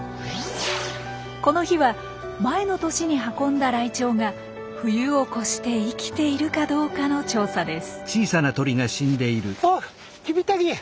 この日は前の年に運んだライチョウが冬を越して生きているかどうかの調査です。